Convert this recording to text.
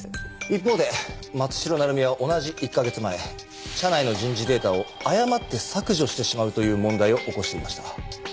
一方で松代成実は同じ１カ月前社内の人事データを誤って削除してしまうという問題を起こしていました。